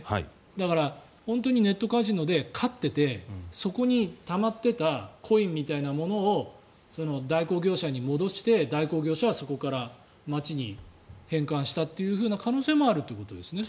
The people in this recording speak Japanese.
だから、本当にネットカジノで勝っていてそこにたまっていたコインみたいなものを代行業者に戻して代行業者はそこから町に返還したという可能性もあるってことですね？